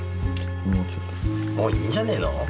もういいんじゃねえの。